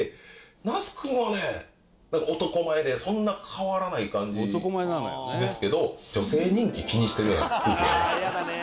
那須君はね男前でそんな変わらない感じですけど女性人気気にしてるような空気がありましたね。